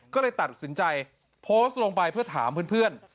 ก็เลยตัดสินใจโพสต์ลงไปเพื่อถามเพื่อน